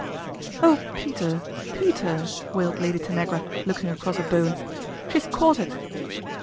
"Oh, Peter, Peter!" wailed Lady Tanagi looking across at Bowen " She's caught it."